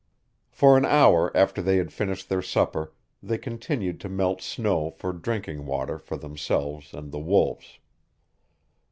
For an hour after they had finished their supper they continued to melt snow for drinking water for themselves and the wolves.